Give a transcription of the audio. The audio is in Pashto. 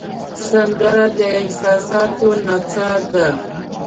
سندره د احساساتو نڅا ده